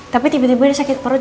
tapi tiba tiba ini sakit perut